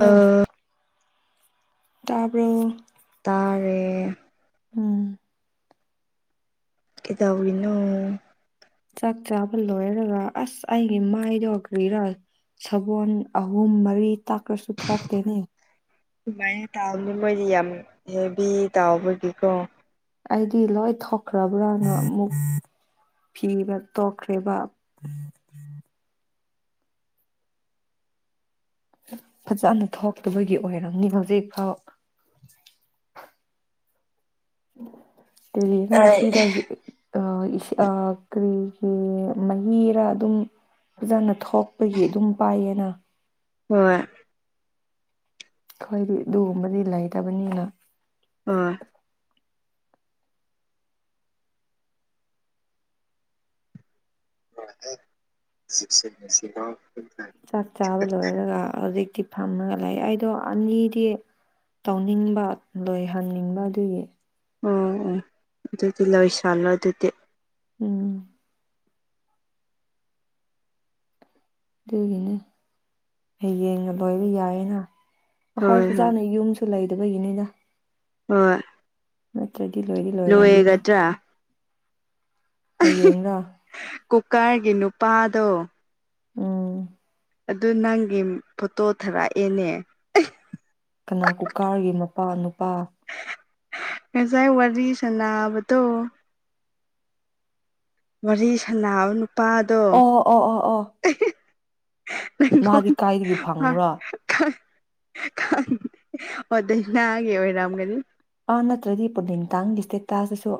ꯑꯥ ꯑ ꯇꯕꯔꯣ꯫ ꯇꯥꯔꯦ ꯎꯝ ꯂꯩꯗꯧꯔꯤ ꯅꯣ ꯆꯥꯛ ꯆꯥꯕ ꯂꯣꯏꯔꯒ ꯑꯁ ꯑꯩꯒꯤ ꯃꯥꯏꯗꯣ ꯀꯔꯤꯔ ꯁꯒꯣꯜ ꯑꯍꯨꯝ ꯃꯔꯤ ꯇꯥꯛꯈ꯭ꯔꯁꯨ ꯊꯣꯛꯇꯦꯅꯦ ꯁꯨꯃꯥꯏꯅ ꯇꯥꯎꯕꯅꯤ ꯃꯣꯏꯗꯤ ꯌꯥꯝ ꯍꯦꯚꯤ ꯇꯧꯕꯒꯤꯀꯣ ꯑꯩꯗꯤ ꯂꯣꯏ ꯊꯣꯛꯈ꯭ꯔꯕ꯭ꯔꯅ ꯑꯃꯨꯛ ꯊꯤꯕ ꯇꯣꯛꯈ꯭ꯔꯦꯕ ꯐꯖꯅ ꯊꯣꯛꯇꯕꯒꯤ ꯑꯣꯏꯔꯝꯅꯤ ꯍꯧꯖꯤꯛꯐꯥꯎ ꯀꯔꯤꯔꯥ ꯍꯣꯏ ꯑꯁꯤ ꯗꯩꯁꯤ ꯑꯥ ꯑꯥ ꯀꯔꯤꯒꯤ ꯃꯍꯤꯔꯥ ꯑꯗꯨꯝ ꯐꯖꯅ ꯊꯣꯛꯄꯒꯤ ꯑꯗꯨꯝ ꯄꯥꯏꯌꯦꯅ ꯍꯣꯏ ꯑꯩꯈꯣꯏꯗꯤ ꯑꯗꯨꯒꯨꯝꯕꯗꯤ ꯂꯩꯇꯕꯅꯤꯅ ꯍꯣꯢ ꯁꯤꯕꯁꯟꯒꯤ ꯁꯤꯒꯥꯎ [inaudible] ꯆꯥꯛ ꯆꯥꯕ ꯂꯣꯏꯔꯒ ꯍꯧꯖꯤꯛꯇꯤ ꯐꯝꯃꯒ ꯂꯩ ꯑꯩꯗꯣ ꯑꯅꯤꯗꯤ ꯇꯧꯅꯤꯡꯕ ꯂꯣꯏꯍꯟꯅꯤꯡꯕ ꯑꯗꯨꯒꯤ ꯑꯥ ꯑꯣ ꯑꯗꯨꯗꯤ ꯂꯣꯏꯁꯜꯂꯣ ꯑꯗꯨꯗꯤ ꯎꯝ ꯑꯗꯨꯒꯤꯅꯦ ꯍꯌꯦꯡꯅ ꯂꯣꯏꯕ ꯌꯥꯏꯌꯦꯅ ꯑꯩꯈꯣꯏ ꯍꯣꯏ ꯍꯣꯏ ꯐꯖꯥꯅ ꯌꯨꯝ ꯂꯩꯗꯕꯒꯤꯅꯤꯗ ꯍꯣꯏ ꯅꯠꯇ꯭ꯔꯗꯤ ꯂꯣꯏꯗꯤ ꯂꯣꯏꯔꯝꯒꯅꯤ ꯂꯣꯏꯒꯗ꯭ꯔꯥ ꯍꯌꯦꯡꯂ ꯀꯨꯀ꯭ꯥꯔꯒꯤ ꯅꯨꯄꯥꯗꯣ ꯎꯝ ꯑꯗꯨ ꯅꯪꯒꯤ ꯐꯣꯇꯣ ꯊꯥꯔꯛꯑꯦꯅꯦ ꯀꯅꯥ ꯀꯨꯀꯥ꯭ꯔꯒꯤ ꯅꯨꯄꯥ ꯅꯨꯄꯥ ꯉꯁꯥꯏ ꯋꯥꯔꯤ ꯁꯥꯟꯅꯕꯗꯣ ꯋꯥꯔꯤ ꯁꯅꯥꯕ ꯅꯨꯄꯥ ꯑꯣ ꯑꯣ ꯑꯣ ꯑꯣ [inaudible] ꯃꯥꯗꯤ ꯀꯥꯏꯗꯒꯤ ꯐꯪꯉ꯭ꯔꯣ ꯈꯪꯗꯦ ꯑꯣ ꯗꯥꯢꯅꯒꯤ ꯑꯣꯏꯔꯝꯒꯅꯤ ꯑꯣ ꯅꯠꯇ꯭ꯔꯗꯤ ꯄꯣꯂꯦꯡꯇꯥꯟꯒꯤ ꯏꯁꯇꯦꯠꯇꯥꯁ ꯗꯁꯨ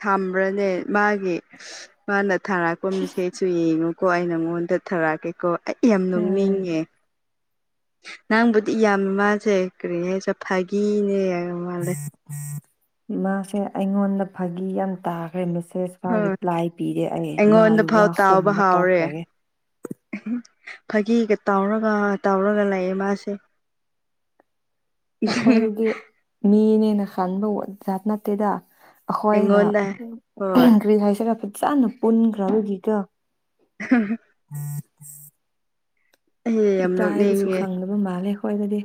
ꯊꯝꯕ꯭ꯔꯅꯦ ꯃꯥꯒꯤ ꯃꯥꯅ ꯊꯥꯔꯛꯄ ꯃꯤꯁꯦꯁꯨ ꯌꯦꯡꯉꯨꯀꯣ ꯑꯩ ꯅꯉꯣꯟꯗ ꯊꯥꯔꯛꯀꯦꯀꯣ ꯑꯩ ꯌꯥꯝ ꯎꯝ ꯅꯣꯛꯅꯤꯡꯉꯦ ꯅꯪꯕꯨꯗꯤ ꯏꯌꯥꯝꯕ ꯃꯥꯁꯦ ꯀꯔꯤ ꯍꯥꯏꯁꯤꯔ ꯐꯥꯒꯤꯅꯦ ꯌꯥꯝ ꯃꯥꯜꯂꯦ ꯃꯥꯁꯦ ꯑꯩꯉꯣꯟꯗ ꯐꯥꯒꯤ ꯌꯥꯝ ꯇꯥꯈ꯭ꯔꯦ ꯃꯦꯁꯦꯁ ꯄꯥꯎ ꯍꯣꯏ ꯔꯤꯄ꯭ꯂꯥꯏ ꯄꯤꯔꯦ ꯑꯩ ꯑꯩꯉꯣꯟꯗ ꯃꯥꯒꯤ ꯐꯥꯎ ꯇꯥꯎꯕ ꯋꯥꯍꯨꯝꯅ ꯍꯥꯎꯔꯦ ꯇꯧꯈ꯭ꯔꯒꯦ ꯐꯥꯒꯤꯒ ꯇꯧꯔꯒ ꯇꯧꯔꯒ ꯂꯩꯑꯦ ꯃꯥꯁꯦ [inaudible] ꯑꯩꯈꯣꯏꯗꯤ ꯃꯤꯅꯦꯅ ꯈꯟꯕꯖꯥꯠ ꯅꯠꯇꯦꯗ ꯑꯩꯈꯣꯏꯅ ꯑꯩꯉꯣꯟꯗ ꯍꯣꯏ ꯀ꯭ꯔꯤ ꯍꯥꯏꯁꯤꯔ ꯐꯖꯅ ꯄꯨꯟꯈ꯭ꯔꯕꯒꯤꯀꯣ [unintelligible] ꯎ [inaudible] ꯑꯩ ꯌꯥꯝ ꯏꯒꯥꯢꯕꯁꯨ ꯅꯣꯛꯅꯤꯡꯉꯦ ꯈꯪꯗꯕ ꯃꯥꯜꯂꯦ ꯑꯩꯈꯣꯏꯗꯗꯤ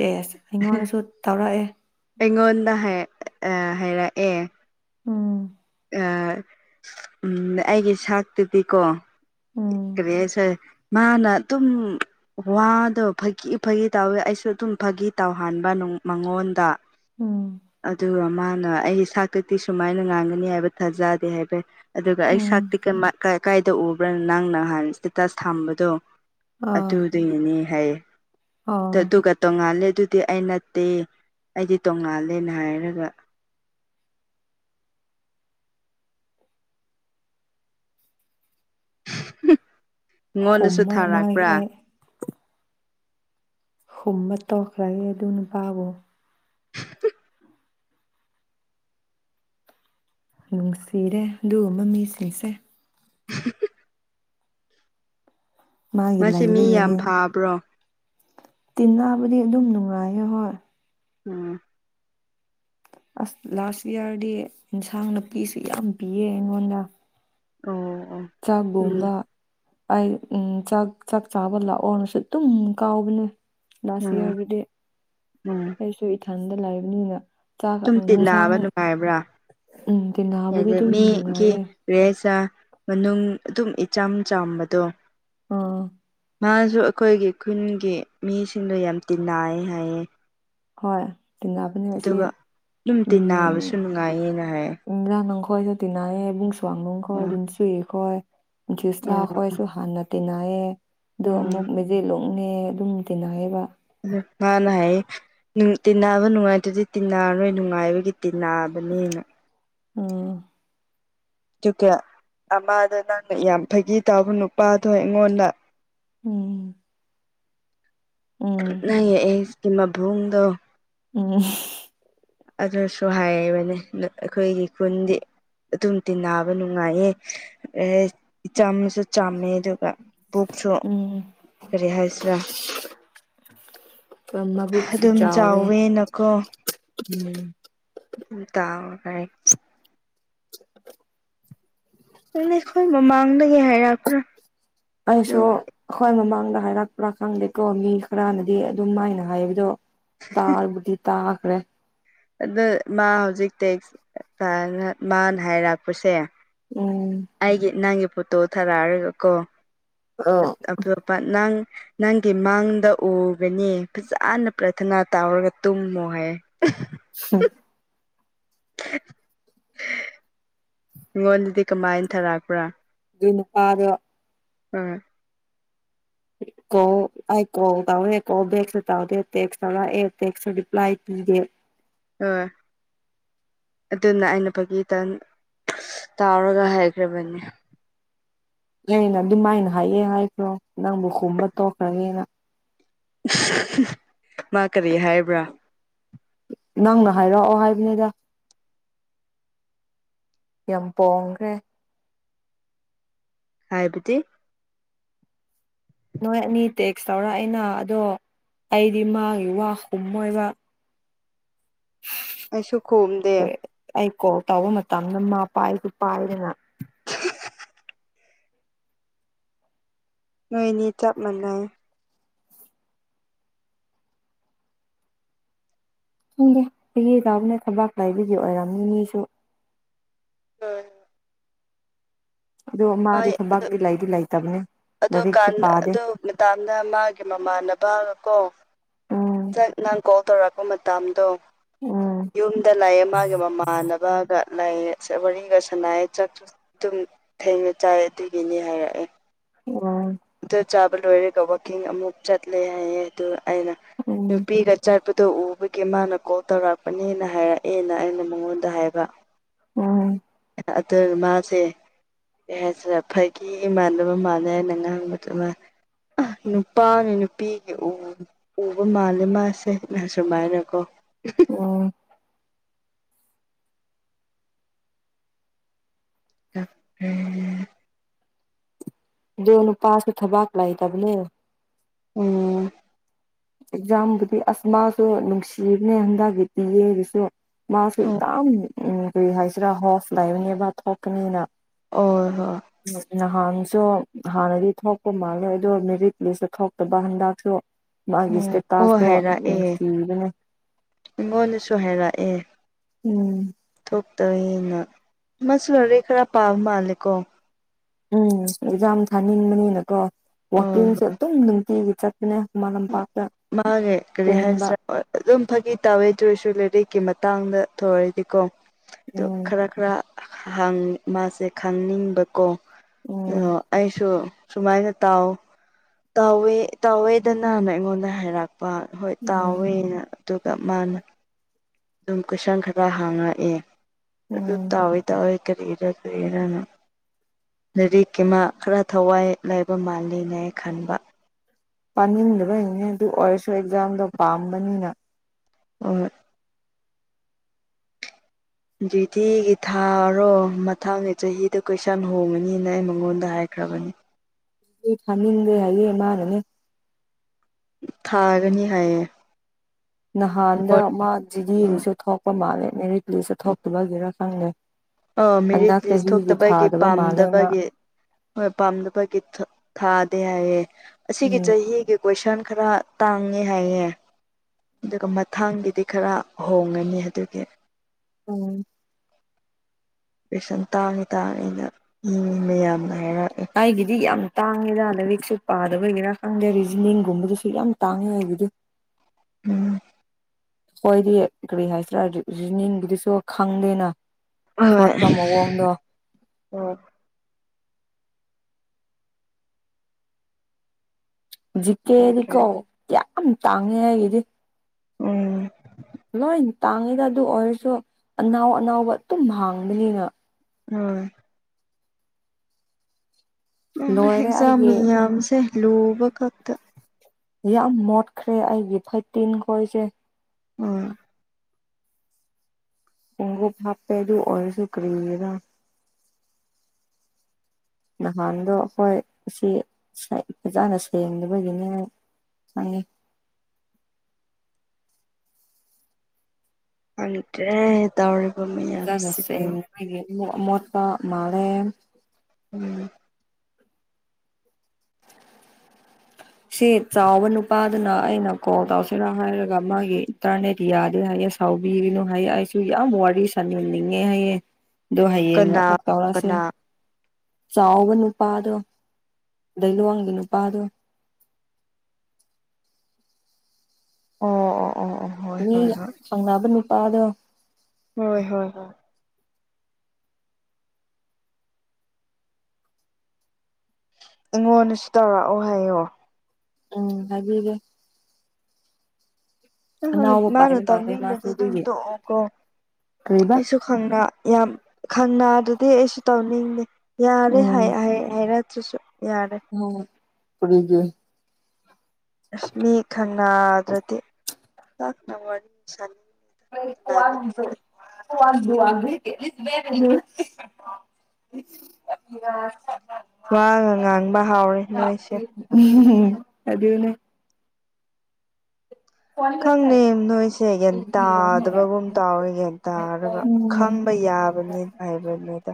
ꯁꯦꯁ ꯑꯩꯉꯣꯟꯗꯁꯨ ꯇꯧꯔꯛꯑꯦ ꯑꯩꯉꯣꯟꯗ ꯍꯥꯏ ꯍꯥꯏꯔꯛꯑꯦ ꯎꯝ ꯎ ꯑꯩꯒꯤ ꯁꯥꯛꯇꯨꯗꯤꯀꯣ ꯎꯝ ꯀꯔꯤ ꯍꯥꯢꯁꯤ ꯃꯥꯅ ꯑꯗꯨꯨꯝ ꯋꯥꯗꯣ ꯐꯥꯒꯤ ꯐꯥꯒꯤ ꯇꯧꯋꯤ ꯑꯩꯁꯨ ꯑꯗꯨꯝ ꯐꯥꯒꯤ ꯇꯧꯍꯟꯕ ꯃꯉꯣꯟꯗ ꯎꯝ ꯑꯗꯨꯒ ꯃꯥꯅ ꯑꯩ ꯁꯥꯛꯇꯗꯤ ꯁꯨꯃꯥꯏꯅ ꯉꯥꯡꯒꯅꯤ ꯍꯥꯏ ꯊꯥꯖꯗꯦ ꯍꯥꯏꯕꯩ ꯑꯗꯨꯒ ꯑꯩ ꯎꯝ ꯁꯛꯇꯤ ꯀꯃꯥꯏ ꯀꯩ ꯀꯥꯏꯗ ꯎꯕ꯭ꯔꯅ ꯅꯪ ꯅꯍꯥꯟ ꯏꯁꯇꯦꯇꯥꯁ ꯊꯝꯕꯗꯣ ꯑꯥ ꯑꯗꯨ ꯑꯗꯨꯏꯅꯦ ꯍꯥꯏꯌꯦ ꯑꯥ ꯑꯗꯨꯒ ꯇꯣꯡꯉꯥꯜꯂꯦ ꯑꯗꯨꯗꯤ ꯑꯩ ꯅꯠꯇꯦ ꯑꯩꯗꯤ ꯇꯣꯉꯥꯜꯂꯦꯅ ꯍꯥꯏꯔꯒ ꯑꯩꯉꯣꯟꯗꯁꯨ ꯍꯨꯝꯃꯣꯏ ꯃꯥꯒꯤ ꯊꯥꯔꯛꯄ꯭ꯔꯥ ꯑꯩ ꯍꯨꯝꯕ ꯇꯣꯛꯈ꯭ꯔꯒꯦ ꯑꯗꯨ ꯅꯨꯄꯥꯕꯨ ꯅꯨꯡꯁꯤꯔꯦ ꯑꯗꯨꯒꯨꯝꯕ ꯃꯤꯁꯤꯡꯁꯦ [unintelligible] ꯃꯥꯒꯤ ꯃꯁꯤ ꯃꯤ ꯌꯥꯝ ꯂꯩꯕꯒꯤꯅꯦ ꯐꯥꯕ꯭ꯔꯣ ꯇꯤꯟꯅꯕꯗꯤ ꯑꯗꯨꯝ ꯅꯨꯡꯉꯥꯏꯌꯦ ꯍꯣꯏ ꯑꯥ ꯑꯁ ꯂꯥꯁ ꯏꯌꯥꯔꯗꯤ ꯏꯟꯁꯥꯡ ꯅꯨꯄꯤꯁꯨ ꯌꯥꯝ ꯄꯤꯌꯦ ꯑꯩꯉꯣꯟꯗ ꯑꯣ ꯑꯣ ꯎꯝ ꯆꯥꯛꯒꯨꯝꯕ ꯑꯩ ꯎꯝ ꯆꯥꯛ ꯆꯥꯛ ꯆꯥꯕ ꯂꯥꯛꯑꯣꯅꯁꯨ ꯑꯗꯨꯝ ꯀꯥꯎꯕꯅꯦ ꯂꯥꯁ ꯎꯝ ꯏꯌꯥꯔꯗꯨꯗꯤ ꯎꯝ ꯑꯩꯁꯨ ꯏꯊꯥꯟꯗ ꯂꯩꯕꯅꯤꯅ ꯆꯥꯛ ꯁꯨꯝ ꯇꯤꯟꯅꯕ ꯏꯟꯁꯥꯡ ꯅꯨꯡꯉꯥꯏꯕ꯭ꯔꯥ ꯎꯝ ꯇꯤꯅꯕꯗꯤ ꯑꯗ ꯑꯗꯨꯝ ꯃꯤꯒꯤ ꯅꯨꯡꯉꯥꯏꯌꯦ ꯔꯦꯁ ꯃꯅꯨꯡ ꯑꯗꯨꯝ ꯏꯆꯝ ꯆꯝꯕꯗꯣ ꯑꯥ ꯃꯥꯁꯨ ꯑꯩꯈꯣꯏꯒꯤ ꯈꯨꯟꯒꯤ ꯃꯤꯁꯤꯡꯗꯣ ꯌꯥꯝ ꯇꯤꯅꯥꯏ ꯍꯥꯏꯌꯦ ꯍꯣꯏ ꯇꯤꯟꯅꯕꯅꯦ ꯑꯁꯤ ꯑꯗꯨꯒ ꯑꯗꯨꯝ ꯇꯤꯟꯅꯕꯁꯨ ꯅꯨꯡꯉꯥꯏꯌꯦꯅ ꯍꯥꯏꯌꯦ ꯏꯟꯖꯥ ꯅꯪꯈꯣꯏꯁꯨ ꯇꯤꯅꯥꯌꯦ ꯏꯕꯨꯡ ꯁꯨꯋꯥꯡꯅꯅꯨꯡꯈꯣꯏ ꯑꯣ ꯅꯨꯡꯁꯨꯨꯏ ꯈꯣꯏ ꯖꯤꯁꯂ ꯑꯣ ꯈꯣꯏ ꯍꯥꯟꯅ ꯇꯤꯟꯅꯌꯦ ꯑꯗꯣ ꯑꯃꯨꯛ ꯎꯝ ꯃꯦꯖꯦꯠꯂꯣꯡꯅꯦ ꯑꯗꯨꯝ ꯇꯤꯟꯅꯌꯦꯕ ꯃꯅꯥ ꯍꯥꯏꯌꯦ ꯇꯤꯟꯅꯕ ꯅꯨꯡꯉꯥꯏꯇ꯭ꯔꯗꯤ ꯇꯤꯟꯅꯔꯣꯏ ꯅꯨꯡꯉꯥꯏꯕꯒꯤ ꯇꯤꯟꯅꯕꯅꯦꯅ ꯎꯝ ꯑꯗꯨꯒ ꯑꯃꯗꯣ ꯅꯪꯅ ꯌꯥꯝ ꯐꯥꯒꯤ ꯇꯥꯎꯕ ꯅꯨꯄꯥꯗꯣ ꯑꯩꯉꯣꯟꯗ ꯎꯝ ꯎꯝ ꯅꯪꯒꯤ ꯑꯦꯛꯁꯀꯤ ꯃꯕꯨꯡꯗꯣ ꯎꯝ ꯑꯗꯨꯁꯨ ꯍꯥꯏꯕꯅꯦ ꯑꯩꯈꯣꯏꯒꯤ ꯈꯨꯟꯗꯤ ꯑꯗꯨꯝ ꯇꯤꯅꯥꯕ ꯅꯨꯡꯉꯥꯏꯌꯦ ꯏꯆꯝꯁꯨ ꯆꯥꯝꯃꯦ ꯑꯗꯨꯒ ꯄꯨꯛꯁꯨ ꯎꯝ ꯀꯔꯤ ꯍꯥꯏꯁꯤꯔꯥ ꯃꯕꯨꯛꯁꯨ ꯑꯗꯨꯝ ꯆꯥꯎꯋꯦ ꯆꯥꯎꯋꯦꯅꯀꯣ ꯎꯝ ꯍ ꯇꯥꯎ ꯔꯒ ꯍ [inaudible] ꯅꯪꯗꯤ ꯑꯩꯈꯣꯏ ꯃꯃꯥꯡꯗꯒꯤ ꯍꯥꯏꯔꯛꯄ꯭ꯔꯥ ꯑꯩꯁꯨ ꯑꯩꯈꯣꯏ ꯃꯃꯥꯡꯗ ꯍꯥꯏꯔꯛꯄ꯭ꯔꯥ ꯈꯪꯗꯦꯀꯣ ꯃꯤ ꯈꯔꯅꯗꯤ ꯑꯗꯨꯝ ꯃꯥꯏꯅ ꯍꯥꯏꯕꯗꯣ ꯇꯥꯕꯨꯗꯤ ꯇꯥꯈ꯭ꯔꯦ ꯑꯗ ꯃꯥ ꯍꯧꯖꯤꯛ ꯇꯦꯛ ꯑꯅ ꯃꯥꯅ ꯍꯥꯏꯔꯛꯄꯁꯦ ꯎꯝ ꯑꯩꯒꯤ ꯅꯪꯒꯤ ꯐꯣꯇꯣ ꯊꯥꯔꯛꯑꯔꯒꯀꯣ ꯑꯠ ꯑꯣ ꯑꯇꯣꯞꯄ ꯅꯪ ꯅꯪꯒꯤ ꯃꯥꯡꯗ ꯎꯕꯅꯦ ꯐꯖꯥꯅ ꯄ꯭ꯔꯊꯅꯥ ꯇꯥꯎꯔꯒ ꯇꯨꯝꯃꯣ ꯍꯥꯌꯦ [unintelligible] [unintelligible] ꯉꯣꯟꯗꯗꯤ ꯀꯃꯥꯏꯟ ꯊꯥꯔꯛꯄ꯭ꯔꯥ ꯗꯨꯏ ꯅꯨꯄꯥꯗꯣ ꯍꯣꯏ ꯀꯣꯜ ꯑꯩ ꯀꯣꯜ ꯇꯥꯎꯗꯦ ꯀꯣꯜꯕꯦꯛꯁ ꯇꯥꯎꯗꯦ ꯇꯦꯛꯁ ꯇꯧꯔꯛꯑꯦ ꯇꯦꯛꯁꯨ ꯔꯤꯄꯥꯂꯏ ꯄꯤꯗꯦ ꯑ ꯑꯗꯨꯅ ꯑꯩꯅ ꯐꯥꯒꯤꯇꯪ ꯇꯥꯎꯔꯒ ꯍꯥꯏꯈ꯭ꯔꯕꯅꯤ ꯌꯩꯅ ꯑꯗꯨꯃꯥꯏꯅ ꯍꯥꯏꯌꯦ ꯍꯥꯏꯕ꯭ꯔꯣ ꯅꯪꯕꯨ ꯈꯨꯝꯕ ꯇꯣꯛꯈ꯭ꯔꯅꯦꯅ ꯃꯥ ꯀꯔꯤ ꯍꯥꯏꯕ꯭ꯔꯥ ꯅꯪꯅ ꯍꯥꯏꯔꯛꯑꯣ ꯍꯥꯏꯕꯅꯤꯗ ꯌꯥꯝ ꯄꯣꯡꯈ꯭ꯔꯦ ꯍꯥꯏꯕꯤꯗꯤ ꯅꯣꯏ ꯑꯅꯤ ꯇꯦꯛꯁ ꯇꯧꯔꯛꯏꯅ ꯑꯗꯣ ꯑꯩꯗꯤ ꯃꯥꯒꯤ ꯋꯥ ꯑꯨꯝꯃꯣꯏꯕ ꯑꯩꯁꯨ ꯈꯨꯝꯗꯦ ꯑꯩ ꯀꯣꯜ ꯇꯧꯕ ꯃꯇꯝꯗ ꯃꯥ ꯄꯥꯏꯁꯨ ꯄꯥꯏꯗꯅ ꯅꯣꯏꯅꯤ ꯆꯞ ꯃꯥꯟꯅꯩ ꯈꯪꯗꯦ ꯑꯩꯒꯤ ꯅꯠꯇꯕ ꯊꯕꯥꯛ ꯂꯩꯥꯕꯒꯤ ꯑꯣꯏꯔꯝꯅꯤ ꯃꯤꯁꯨ [unintelligible] ꯑꯗꯣ ꯃꯥꯗꯤ ꯑꯣꯏ ꯑꯗꯨ ꯊꯕꯛꯇꯤ ꯂꯩꯗꯤ ꯂꯩꯇꯕꯅꯦ ꯑꯗꯨ ꯂꯥꯏꯔꯤꯛꯁꯨ ꯀꯥꯟ ꯄꯥꯗꯦ ꯑꯗꯨ ꯃ ꯇꯥꯝꯗ ꯃꯥꯒꯤ ꯃꯃꯥꯟꯅꯕꯒ ꯀꯣ ꯎꯝ ꯆꯠ ꯅꯪ ꯀꯣꯜ ꯇꯧꯔꯛꯄ ꯃꯇꯝꯗꯣ ꯎꯝ ꯌꯨꯝꯗ ꯂꯩꯌꯦ ꯃꯥꯒꯤ ꯃꯃꯥꯟꯅꯕꯒ ꯂꯥꯏꯌꯦ ꯁ ꯋꯥꯔꯤꯒ ꯁꯥꯟꯅꯥꯌꯦ ꯆꯥꯛ ꯗꯨꯝ ꯊꯦꯡꯅ ꯆꯥꯏ ꯑꯗꯨꯏꯒꯤꯅꯤ ꯍꯥꯏꯔꯛꯑꯦ ꯑꯣ ꯗꯨ ꯆꯥꯕ ꯂꯣꯏꯔꯒ ꯋꯥꯛꯀꯤꯡ ꯑꯃꯨꯛ ꯆꯠꯂꯦ ꯍꯥꯏꯌꯦ ꯑꯗꯨꯒ ꯑꯩꯅ ꯎꯝ ꯅꯨꯄꯤꯒ ꯆꯠꯄꯗꯣ ꯎꯕꯒꯤ ꯃꯥꯅ ꯀꯣꯜ ꯇꯧꯔꯛꯄꯅꯦꯅ ꯍꯥꯏꯔꯛꯑꯦꯅ ꯑꯩꯅ ꯃꯉꯣꯟꯗ ꯍꯥꯏꯕ ꯎꯝ ꯑꯗꯨꯒ ꯃꯥꯁꯦ ꯑꯦꯖ꯭ꯕ ꯐꯥꯒꯤ ꯃꯥꯟꯗꯕ ꯃꯥꯜꯂꯦ ꯑꯩꯅ ꯉꯥꯡꯕꯗꯣ ꯃꯥꯅ ꯑ ꯅꯨꯄꯥꯅꯤ ꯅꯨꯄꯤꯒꯤ ꯎ ꯎꯕ ꯃꯥꯜꯂꯦ ꯃꯥꯁꯦ ꯅ ꯁꯨꯃꯥꯏꯅꯀꯣ ꯑꯣ [unintelligible] ꯗꯣ ꯅꯨꯄꯥꯁꯨ ꯊꯕꯥꯛ ꯂꯩꯇꯕꯅꯦ ꯎꯝ ꯑꯦꯛꯖꯥꯝꯕꯨꯗꯤ ꯑꯁ ꯃꯥꯁꯨ ꯅꯨꯡꯁꯤꯕꯅꯦ ꯍꯟꯗꯛꯒꯤ ꯗꯤꯌꯦ ꯒꯤꯁꯨ ꯃꯥꯁꯨ ꯇꯥꯝ ꯎꯝ ꯀꯔꯤ ꯍꯥꯏꯁꯤꯔꯥ ꯍꯣꯐ ꯂꯩꯕꯅꯦꯕ ꯊꯣꯛꯀꯅꯤꯅ ꯑꯣꯏ ꯍꯣ ꯅꯍꯥꯟꯁꯨ ꯍꯥꯟꯅꯗꯤ ꯊꯣꯛꯄ ꯃꯥꯜꯂꯦ ꯑꯗꯨ ꯃꯦꯔꯤꯠ ꯂꯤꯁꯇ ꯊꯣꯛꯇꯕ ꯍꯟꯗꯛꯁꯨ ꯃꯥꯒꯤ ꯎꯝ ꯑꯣ ꯏꯁꯇꯦꯇꯥꯁꯇꯣ ꯍꯥꯏꯔꯛꯑꯦ ꯅꯨꯡꯁꯤꯕꯅꯦ ꯑꯩꯉꯣꯟꯗꯁꯨ ꯍꯥꯏꯔꯛꯑꯦ ꯎꯝ ꯇꯧꯏꯅ ꯃꯥꯁꯨ ꯂꯥꯏꯔꯤꯛ ꯈꯔ ꯄꯥ ꯃꯥꯜꯂꯦ ꯀꯣ ꯎꯝ ꯑꯦꯛꯖꯥꯝ ꯊꯥꯅꯤꯡꯕꯅꯤꯅꯀꯣ ꯑꯣ ꯋꯥꯛꯀꯤꯡꯁꯦ ꯍꯣꯏ ꯑꯗꯨꯝ ꯅꯨꯡꯇꯤꯒꯤ ꯆꯠ ꯅꯦ ꯈꯨꯃꯟꯂꯝꯄꯥꯛꯇ ꯃꯥꯒꯤ ꯀꯔꯤ ꯍꯥꯏꯁꯤꯔꯥ ꯑꯣꯏ ꯑꯗꯨꯝ ꯐꯥꯒꯤ ꯇꯧꯋꯦ ꯗꯣꯏꯁꯨ ꯂꯦꯔꯤꯛꯀꯤ ꯃꯇꯥꯡꯗ ꯊꯧꯌꯣꯏꯗꯦꯀꯣ ꯗꯣ ꯎꯝ ꯈꯔ ꯈꯔ ꯍ ꯍꯪ ꯃꯥꯁꯦ ꯈꯪꯅꯤꯡꯕꯀꯣ ꯎꯝ ꯑꯣ ꯑꯩꯁꯨ ꯁꯨꯃꯥꯏꯅ ꯇꯥꯎ ꯇꯥꯎꯋꯦ ꯇꯥꯎꯋꯦꯗꯅ ꯅ ꯑꯩꯉꯣꯟꯗ ꯍꯥꯏꯔꯛ ꯄ ꯍꯣꯏ ꯎꯝ ꯇꯥꯎꯋꯦꯅ ꯑꯗꯨꯒ ꯃꯥꯅ ꯑꯗꯨꯝ ꯀꯣꯏꯁꯟ ꯈꯔ ꯍꯪꯉꯛꯑꯦ ꯑꯗꯨ ꯎꯝ ꯇꯥꯎꯋꯦ ꯇꯥꯎꯋꯦ ꯀꯔꯤꯔ ꯀꯔꯤꯔꯅ ꯂꯥꯏꯔꯤꯛꯀꯤ ꯃ ꯈꯔ ꯊꯋꯥꯏ ꯂꯩꯕ ꯃꯥꯜꯂꯤꯅꯦ ꯈꯟꯕ ꯄꯥꯅꯤꯡꯗꯕꯩꯅꯦ ꯑꯗꯨ ꯑꯣꯏꯔꯁꯨ ꯑꯦꯛꯖꯥꯝꯗꯣ ꯄꯥꯝꯕꯅꯤꯅ ꯑꯣꯏ ꯗ꯭ꯌꯨꯇꯤꯒꯤ ꯊꯥꯔꯣ ꯃꯊꯪꯒꯤ ꯆꯍꯤꯗ ꯀꯣꯏꯁꯟ ꯍꯣꯡꯉꯅꯤꯅ ꯑꯩꯅ ꯃꯉꯣꯟꯗ ꯍꯥꯏꯈ꯭ꯔꯕꯅꯤ ꯊꯥꯅꯤꯡꯗꯦ ꯍꯥꯏꯌꯦ ꯃꯥꯅꯅꯦ ꯊꯥꯒꯅꯤ ꯍꯥꯏꯌꯦ ꯅꯍꯥꯟꯗ ꯃꯥ ꯖꯤꯗꯤꯒꯤꯁꯨ ꯊꯣꯛꯄ ꯃꯥꯜꯂꯦ ꯃꯦꯔꯤꯠ ꯂꯤꯁꯇ ꯊꯣꯛꯇꯕꯒꯤꯔꯥ ꯈꯪꯗꯦ ꯑꯥ ꯃꯦꯔꯤꯠ ꯍꯟꯗꯛ ꯂꯤꯁ ꯆꯍꯤꯒꯤ ꯊꯣꯛꯇꯕꯒꯤ ꯊꯥꯗꯕ ꯃꯥꯜꯂꯦ ꯃꯥ ꯄꯥꯝꯗꯕꯒꯤ ꯍꯣꯏ ꯄꯥꯝꯗꯕꯒꯤ ꯊꯥ ꯊꯥꯗꯦ ꯍꯥꯏꯌꯦ ꯑꯁꯤꯒꯤ ꯎꯝ ꯆꯍꯤꯒꯤ ꯀꯣꯏꯁꯟ ꯈꯔ ꯇꯥꯡꯉꯦ ꯍꯥꯏꯌꯦ ꯑꯗꯨꯒ ꯃꯊꯥꯡꯒꯤꯗꯤ ꯈꯔ ꯍꯣꯡꯉꯅꯤ ꯑꯗꯨꯒꯤ ꯎꯝ ꯄꯦꯁꯟ ꯇꯥꯡꯉꯤ ꯇꯥꯡꯉꯤ ꯅ ꯃꯤ ꯃꯌꯥꯝꯅ ꯍꯥꯏꯔꯛꯑꯦ ꯑꯩꯒꯤꯗꯤ ꯌꯥꯝ ꯇꯥꯡꯉꯦꯗ ꯂꯥꯏꯔꯤꯛꯁꯨ ꯄꯥꯗꯕꯒꯤꯔꯥ ꯈꯪꯗꯦ ꯔꯤꯖꯅꯤꯡꯒꯨꯝꯕꯗꯨꯁꯨ ꯌꯥꯝ ꯇꯥꯡꯉꯦ ꯑꯩꯒꯤꯗꯤ [inaudible] ꯎꯝ ꯈꯣꯏꯗꯤ ꯀꯔꯤ ꯍꯥꯏꯁꯤꯔꯥ ꯔꯤꯖꯅꯤꯡꯒꯤꯗꯨꯁꯨ ꯈꯪꯗꯦꯅ ꯁꯣꯠꯄ ꯃꯑꯣꯡꯗꯣ ꯎꯝ ꯑꯣꯀꯦ ꯖꯤꯛꯀꯦꯗꯤꯀꯣ ꯌꯥꯝ ꯇꯥꯡꯉꯦ ꯑꯩꯒꯤꯗꯤ ꯎꯝ ꯂꯣꯏ ꯇꯥꯡꯉꯤꯗ ꯑꯗꯨ ꯑꯣꯏꯔꯁꯨ ꯑꯅꯥꯎ ꯑꯅꯥꯎꯕ ꯑꯗꯨꯝ ꯍꯥꯡꯕꯅꯤꯅ ꯎꯝ ꯂꯣꯏꯔꯦ ꯑꯦꯛꯖꯥꯝ ꯑꯩꯒꯤ ꯃꯌꯥꯝꯁꯦ ꯂꯨꯕ ꯈꯛꯇ ꯌꯥꯝ ꯃꯣꯠꯈ꯭ꯔꯦ ꯑꯩꯒꯤ ꯐꯥꯏꯇꯤꯟ ꯈꯣꯏꯁꯦ ꯎꯝ ꯎꯪ ꯒꯔ꯭ꯨꯞ ꯍꯥꯞꯄꯦ ꯑꯗꯨ ꯑꯣꯔꯁꯨꯨ ꯀꯔꯤꯔ ꯅꯍꯥꯟꯗꯣ ꯍꯣꯏ ꯁꯤ ꯐꯖꯅꯥ ꯁꯦꯡꯗꯕꯒꯤꯅꯦ ꯈꯪꯉꯦ ꯈꯪꯗ꯭ꯔꯦ ꯇꯧꯔꯤꯕ ꯃꯌꯥꯝꯁꯤꯕꯨ ꯑꯩꯈꯣꯏꯒꯤ ꯑꯃꯣꯠꯇꯄ ꯃꯥꯜꯂꯦ ꯎꯝ ꯁꯤ ꯆꯥꯎꯕ ꯅꯨꯄꯥꯗꯨꯅ ꯑꯩꯅ ꯀꯣꯜ ꯇꯧꯁꯤꯔꯥ ꯍꯥꯏꯔꯒ ꯃꯥꯒꯤ ꯏꯟꯇꯔꯅꯦꯠ ꯌꯥꯗꯦ ꯍꯥꯏꯌꯦ ꯁꯥꯎꯕꯤꯔꯤꯅꯨ ꯍꯥꯏꯌꯦ ꯑꯩꯁꯨ ꯌꯥꯝ ꯋꯥꯔꯤ ꯁꯥꯟꯅꯅꯤꯡꯉꯦ ꯍꯥꯏꯌꯦ ꯑꯗꯣ ꯍꯌꯦꯡ ꯀꯅꯥ ꯑꯃꯨꯛ ꯇꯧꯔꯁꯦ ꯀꯅꯥ ꯆꯥꯎꯕ ꯅꯨꯄꯥꯗꯣ ꯂꯩꯂꯣꯡꯒꯤ ꯅꯨꯄꯥꯗꯣ ꯑꯣ ꯑꯣ ꯑꯣ ꯑꯣ ꯍꯣꯏ ꯃꯤ ꯍꯣꯏ ꯌꯥꯝ ꯍꯣꯏ ꯄꯥꯝꯅꯕ ꯅꯨꯄꯥꯗꯣ ꯍꯣꯏ ꯍꯣꯏ ꯍꯣꯏ ꯑꯩꯉꯣꯟꯗꯁꯨ ꯇꯧꯔꯛꯑꯣ ꯍꯥꯏꯌꯣ ꯎꯝ ꯍꯥꯏꯕꯤꯒꯦ ꯍꯣꯏ ꯍꯣꯏ ꯑꯅꯥꯎꯕ ꯃꯥꯅ ꯄꯥꯏꯕ ꯃꯥꯜꯂꯦ ꯃꯥꯁꯨ ꯇꯧꯅꯤꯡꯗ꯭ꯔꯗꯤ ꯑꯗꯨꯝ ꯑꯗꯨꯒꯤ ꯇꯣꯛꯑꯣꯀꯣ ꯀꯔꯤꯕ ꯑꯩꯁꯨ ꯈꯪꯅ ꯌꯥꯝ ꯈꯟꯅ ꯗꯨꯗꯤ ꯑꯩꯁꯨ ꯇꯧꯅꯤꯡꯗꯦ ꯌꯥꯔꯦ ꯍꯥꯏ ꯍꯥꯏ ꯍꯥꯏꯔ꯭ꯛꯇ꯭ꯔꯁꯨ ꯌꯥꯔꯦ ꯎꯝ ꯀꯔꯤꯒꯤ ꯑꯁ ꯃꯤ ꯈꯟꯅꯗ꯭ꯔꯗꯤ ꯄꯥꯛꯅ ꯋꯥꯔꯤ ꯁꯥꯅꯤꯡ [unintelligible] [unintelligible] ꯋꯥ ꯒ ꯉꯥꯡꯕ ꯍꯥꯎꯔꯦ ꯅꯣꯏꯁꯦ ꯎꯝ ꯑꯗꯨꯗꯅꯦ ꯈꯪꯅꯦ ꯅꯣꯏꯁꯦ ꯒ꯭ꯌꯥꯟ ꯇꯥꯗꯕꯒꯨꯝ ꯇꯥꯎꯋꯦ ꯒ꯭ꯟ ꯇꯥꯔꯒ ꯎꯝ ꯈꯪꯕ ꯌꯥꯕꯅꯤ ꯍꯥꯏꯕꯅꯤꯗ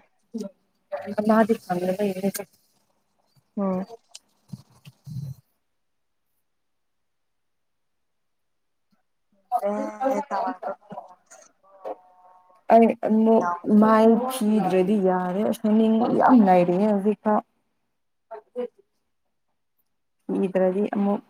ꯃꯥꯗꯤ ꯊꯂꯗ ꯑꯣꯝ ꯑꯦ ꯇꯋ ꯥ [unintelligible] [unintelligible] ꯑꯩ ꯑꯃꯨꯛ ꯃꯥꯏ ꯊꯤꯗ꯭ꯔꯗꯤ ꯌꯥꯔꯦ ꯑꯁ ꯍꯥꯏꯅꯤꯡꯕ ꯌꯥꯝ ꯂꯩꯔꯤꯌꯦ ꯍꯧꯖꯤꯛꯐꯥꯎ ꯏꯗ꯭ꯔꯗꯤ ꯑꯃꯨꯛ